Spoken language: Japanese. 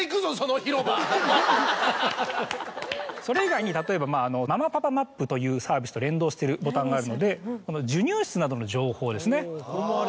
それ以外に例えばママパパマップというサービスと連動してるボタンがあるので授乳室などの情報ですね